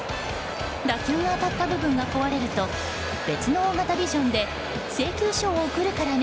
打球が当たった部分が壊れると別の大型ビジョンで請求書を送るからね！